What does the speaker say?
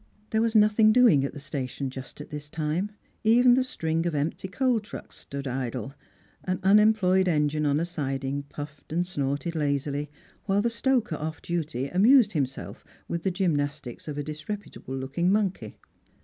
There was nothing doing at the station just at this time ; even the string of empty coal trucks stood idle, an unemployed engine on a siding puffed and snorted lazily, while the stoker off duty amused himself with the gymnastics of a disreputable looking monkey.